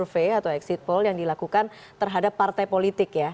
survei atau exit poll yang dilakukan terhadap partai politik ya